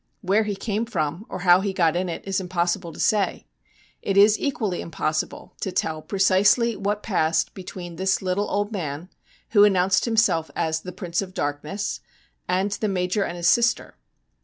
Where he came from or how he got in it is impossible to say. It is equally impossible to tell precisely what passed between this little old man who announced him *self as ' The Prince of Darkness ' and the Major and his sister.